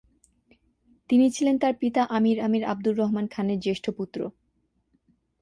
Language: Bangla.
তিনি ছিলেন তার পিতা আমির আমির আবদুর রহমান খানের জ্যেষ্ঠ পুত্র।